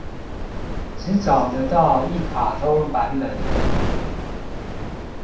只找得到一卡通版本的